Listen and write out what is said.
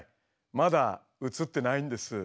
まだ映ってないんです。